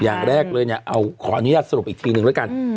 อย่างแรกเลยเนี่ยเอาขออนุญาตสรุปอีกทีหนึ่งแล้วกัน